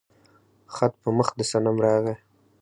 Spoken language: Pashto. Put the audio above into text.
خط په مخ د صنم راغى